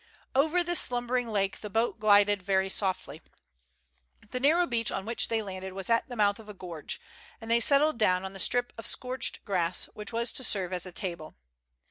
Over this slumbering lake the boat glided very softly. The narrow beach on which they landed was at the mouth of a gorge, and they settled down on the strip of scorched grass which was to serve as a table.